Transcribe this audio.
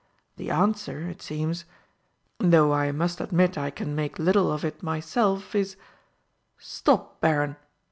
The answer, it seems though I must admit I can make little of it myself is " "Stop, Baron!"